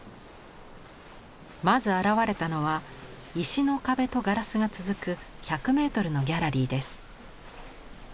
まず現れたのは石の壁とガラスが続く１００メートルのギャラリーです。